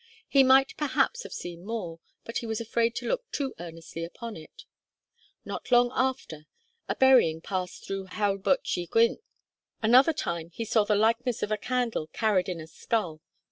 He might perhaps have seen more, but he was afraid to look too earnestly upon it. Not long after, a burying passed through Heol Bwlch y Gwynt. Another time he saw the likeness of a candle carried in a skull.